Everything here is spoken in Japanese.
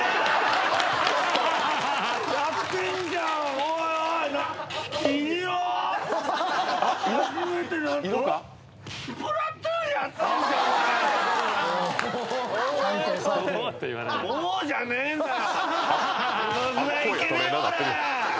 「おお」じゃねえんだよ！